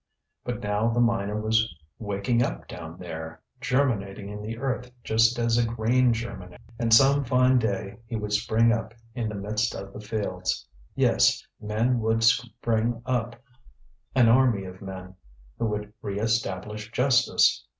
But now the miner was waking up down there, germinating in the earth just as a grain germinates; and some fine day he would spring up in the midst of the fields: yes, men would spring up, an army of men who would re establish justice.